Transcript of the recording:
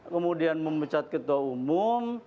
kemudian memecat ketua umum